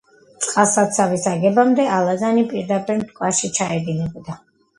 წყალსაცავის აგებამდე ალაზანი პირდაპირ მტკვარში ჩაედინებოდა.